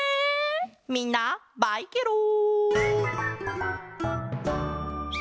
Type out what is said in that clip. みんなバイケロン！